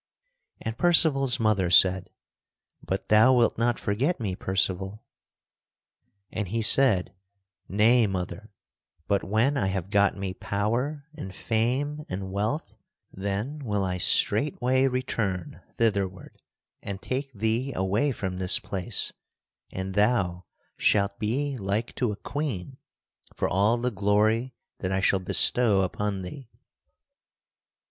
And Percival's mother said, "But thou wilt not forget me, Percival?" [Sidenote: Percival departs from the mountain] And he said: "Nay, mother; but when I have got me power and fame and wealth, then will I straightway return thitherward and take thee away from this place, and thou shalt be like to a Queen for all the glory that I shall bestow upon thee."